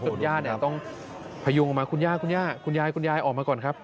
คุณย่าต้องพยุงออกมาคุณย่าคุณย่าออกมาก่อนครับ